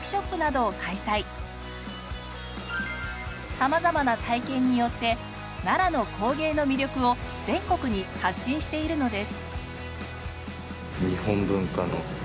様々な体験によって奈良の工芸の魅力を全国に発信しているのです。